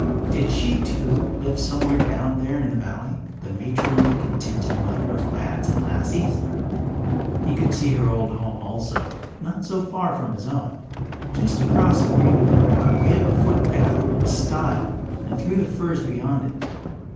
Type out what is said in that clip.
Did she too live somewhere down there in the valley, the matronly, contented mother of lads and lassies? He could see her old home also, not so far from his own, just across a green meadow by way of a footpath and stile and through the firs beyond it.